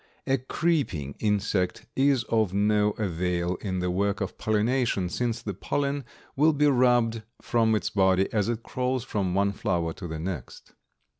A creeping insect is of no avail in the work of pollination, since the pollen will be rubbed from its body as it crawls from one flower to the next.